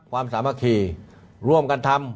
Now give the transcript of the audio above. ความสามารถคีย์ร่วมกันทำ